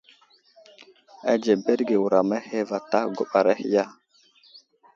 Anzeberge wuram ahe vatak guɓar ahe ya ?